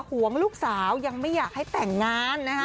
ห่วงลูกสาวยังไม่อยากให้แต่งงานนะฮะ